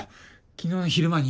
昨日の昼間に。